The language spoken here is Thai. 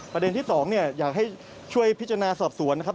ประเด็นที่๒อยากให้ช่วยพิจารณาสอบสวนนะครับ